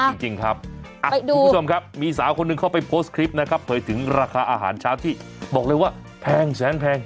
จริงครับคุณผู้ชมครับมีสาวคนหนึ่งเข้าไปโพสต์คลิปนะครับเผยถึงราคาอาหารเช้าที่บอกเลยว่าแพงแสนแพง